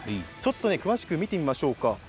詳しく見てみましょうか。